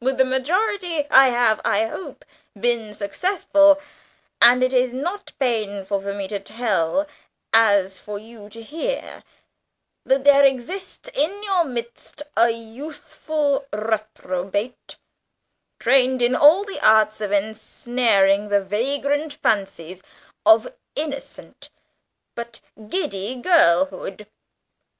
"With the majority I have, I hope, been successful, and it is as painful for me to tell as for you to hear, that there exists in your midst a youthful reprobate, trained in all the arts of ensnaring the vagrant fancies of innocent but giddy girlhood.